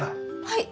はい。